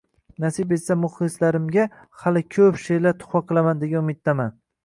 Nasib etsa, muxlislarimga hali ko‘p she’rlar tuhfa qilaman degan umiddaman.